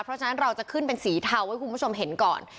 เพราะฉะนั้นเราจะขึ้นเป็นสีเทาให้คุณผู้ชมเห็นก่อน